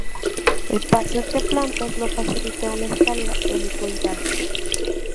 El paso entre plantas lo facilita una escalera helicoidal.